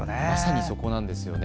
まさにそこなんですよね。